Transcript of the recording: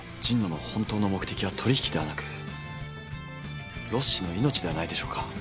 神野の本当の目的は取引ではなくロッシの命ではないでしょうか？